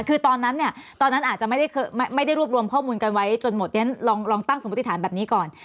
คือตอนนั้นเนี่ยอาจจะไม่ได้รวบรวมข้อมูลกันไว้จนหมดฉะนั้นลองตั้งสมบติธรรมแบบนี้ก่อน